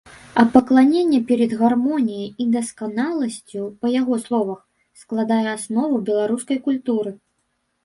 А пакланенне перад гармоніяй і дасканаласцю, па яго словах, складае аснову беларускай культуры.